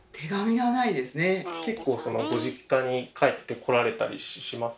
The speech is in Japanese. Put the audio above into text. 結構ご実家に帰ってこられたりします？